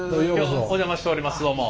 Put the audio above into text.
お邪魔しておりますどうも。